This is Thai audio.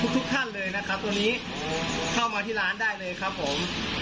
ทุกท่านเลยนะครับตัวนี้เข้ามาที่ร้านได้เลยครับผม